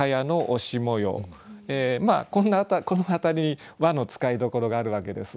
まあこの辺りに「は」の使いどころがあるわけです。